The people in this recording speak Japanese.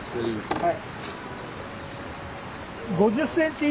はい。